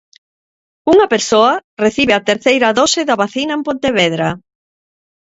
Unha persoa recibe a terceira dose da vacina en Pontevedra.